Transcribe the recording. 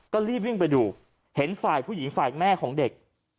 ก็รีบวิ่งไปดูเห็นฝ่ายผู้หญิงฝ่ายแม่ของเด็ก